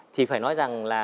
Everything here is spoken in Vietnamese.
thì phải nói rằng là